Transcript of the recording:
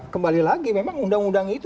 kembali lagi memang undang undang itu